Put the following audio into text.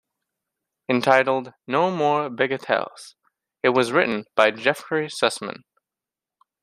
Entitled "No Mere Bagatelles", it was written by Jeffrey Sussman.